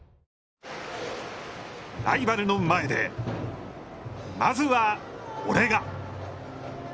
ライバルの前で、まずは俺が！